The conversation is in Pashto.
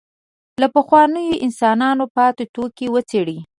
له پخوانیو انسانانو پاتې توکي وڅېړي.